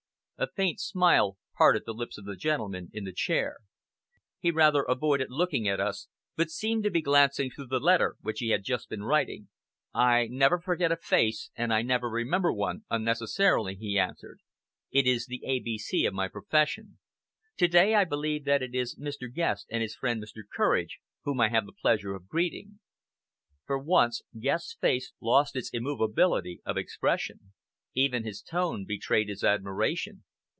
A faint smile parted the lips of the gentleman in the chair. He rather avoided looking at us, but seemed to be glancing through the letter which he had just been writing. "I never forget a face and I never remember one unnecessarily," he answered. "It is the A B C of my profession. To day I believe that it is Mr. Guest, and his friend Mr. Courage, whom I have the pleasure of greeting." For once Guest's face lost its immovability of expression. Even his tone betrayed his admiration.